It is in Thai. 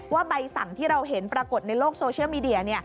ใบสั่งที่เราเห็นปรากฏในโลกโซเชียลมีเดีย